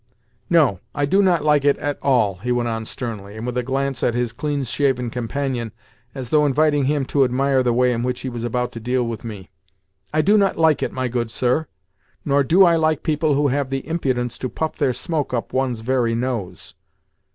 "No, I do not like it at all," he went on sternly, and with a glance at his clean shaven companion, as though inviting him to admire the way in which he was about to deal with me. "I do not like it, my good sir, nor do I like people who have the impudence to puff their smoke up one's very nose."